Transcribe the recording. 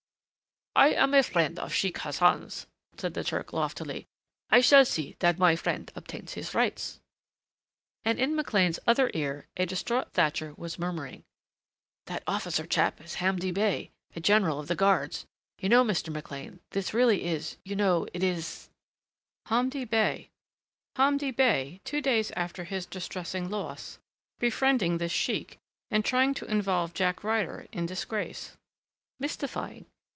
"I am a friend of Sheik Hassan's," said the Turk loftily. "I shall see that my friend obtains his rights." And in McLean's other ear a distraught Thatcher was murmuring "That officer chap is Hamdi Bey a General of the Guards. You know, Mr. McLean, this really is you know, it is " Hamdi Bey ... Hamdi Bey, two days after his distressing loss, befriending this sheik and trying to involve Jack Ryder in disgrace. Mystifying.